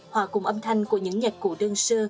hòa cùng âm thanh của những nhạc cụ đơn sơ